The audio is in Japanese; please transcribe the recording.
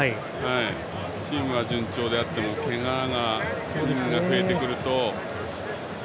チームが順調であってもけが人が増えてくると。